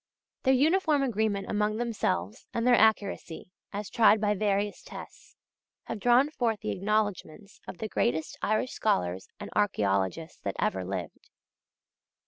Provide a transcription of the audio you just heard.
Their uniform agreement among themselves, and their accuracy, as tried by various tests, have drawn forth the acknowledgments of the greatest Irish scholars and archæologists that ever lived.